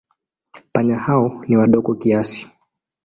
Panya hao ni wadogo kiasi.